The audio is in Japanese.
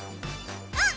うん。